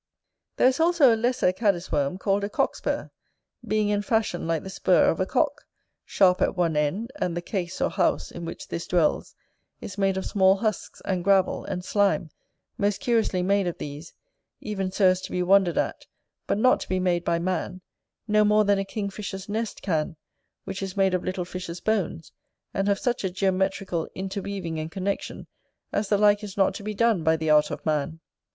There is also a lesser cadis worm, called a Cockspur, being in fashion like the spur of a cock, sharp at one end: and the case, or house, in which this dwells, is made of small husks, and gravel, and slime, most curiously made of these, even so as to be wondered at, but not to be made by man, no more than a king fisher's nest can, which is made of little fishes' bones, and have such a geometrical interweaving and connection as the like is not to be done by the art of man.